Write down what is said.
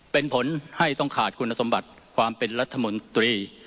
เป็นผลให้ต้องขาดคุณสมบัติความเป็นรัฐมนตรี